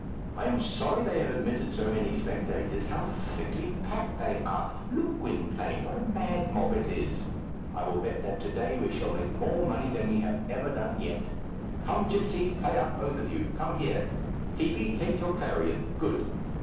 I am sorry they have admitted so many spectators. How thickly packed they are! Look, Gwynplaine, what a mad mob it is! I will bet that to day we shall take more money than we have ever done yet. Come, gipsies, play up, both of you. Come here. Fibi, take your clarion. Good.